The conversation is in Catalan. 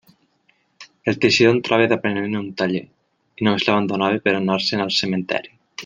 El teixidor entrava d'aprenent en un taller, i només l'abandonava per a anar-se'n al cementeri.